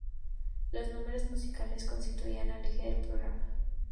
Los números musicales constituían el eje del programa.